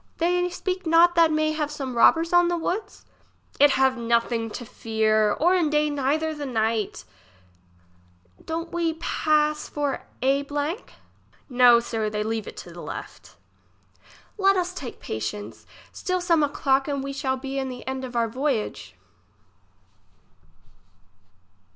They speak not that may have some robbers on the woods ? It have nothing to fear, or in day neither the night. Don't we does pass for a ? No, sir, they leave it to left. Let us take patience, still some o'clock, and we shall be in the end of our voyage.